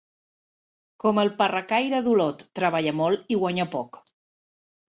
Com el Parracaire d'Olot, treballar molt i guanyar poc.